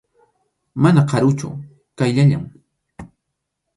Mana karuchu, qayllallam.